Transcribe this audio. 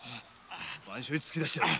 番所へ突き出してやる。